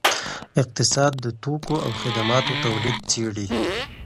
اقتصاد د توکو او خدماتو تولید څیړي.